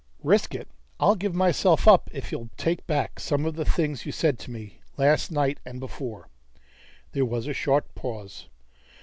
"Risk it? I'll give myself up if you'll take back some of the things you said to me last night and before." There was a short pause.